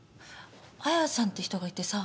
綾さんって人がいてさ。